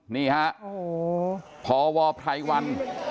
นี่ฮะพวไพรวัน